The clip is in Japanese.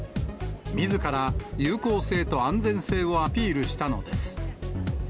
みずから有効性と安全性をアピールしたのです。